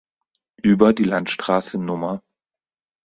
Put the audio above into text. Über die Landstraße Nr.